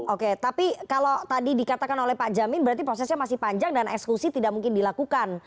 oke tapi kalau tadi dikatakan oleh pak jamin berarti prosesnya masih panjang dan eksekusi tidak mungkin dilakukan